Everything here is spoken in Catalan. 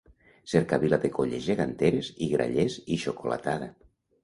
Cercavila de colles geganteres i grallers i xocolatada.